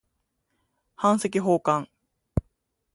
版籍奉還